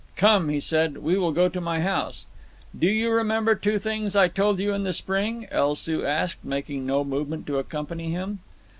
"Come," he said, "we will go to my house." "Do you remember the two things I told you in the spring?" El Soo asked, making no movement to accompany him.